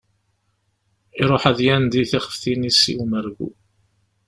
Iruḥ ad yandi tixeftin-is i umergu.